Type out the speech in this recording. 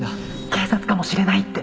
警察かもしれないって